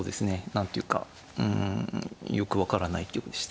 何て言うかうんよく分からない一局でした。